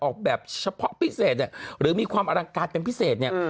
ออกแบบเฉพาะพิเศษเนี่ยหรือมีความอลังการเป็นพิเศษเนี่ย